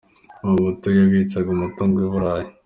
Mobutu yabitsaga umutungo we i Burayi.